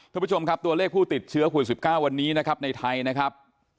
คุณผู้ชมครับตัวเลขผู้ติดเชื้อโควิด๑๙วันนี้นะครับในไทยนะครับ